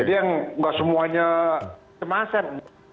jadi yang nggak semuanya cemasan